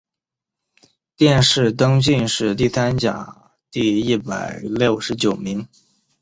殿试登进士第三甲第一百六十九名。